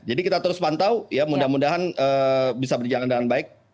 jadi kita terus pantau ya mudah mudahan bisa berjalan dengan baik